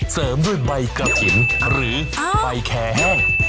เสริมด้วยใบกะถิ่นหรือใบแคร์แห้ง